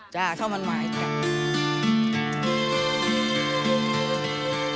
ช่าวมันมาอีกกัน